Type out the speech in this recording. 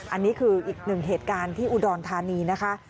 อันนี้คืออีกหนึ่งเหตุการณ์ที่อุดรธานีนะคะ